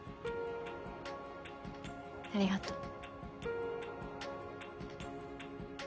ありがとう。